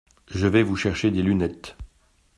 Je vais vous chercher des lunettes.